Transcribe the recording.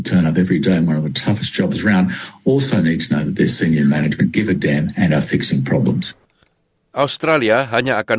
dan pembuluhan pemerintah jawa barat